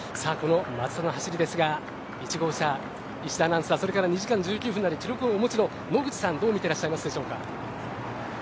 この松田の走りですが１号車石田アナウンサーそれから２時間１９分台の記録をお持ちの野口さんどう見てらっしゃるでしょうか。